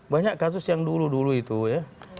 banyak kasus yang dulu dulu itu ya